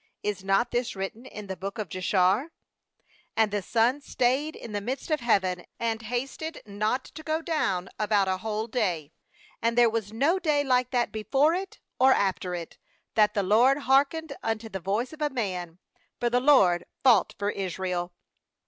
Is not this written in the book of Jashar? And the sun stayed in the 272 JOSHUA 10.33 midst of heaven, and hasted not to go down about a whole day. 14And there was no day like that before it or after it, that the LORD hearkened un to the voice of a man; for the LORD fought for Israel.